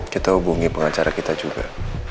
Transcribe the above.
kita hubungi pengacara kita juga